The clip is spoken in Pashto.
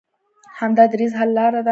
همدا دریځ حل لاره ده.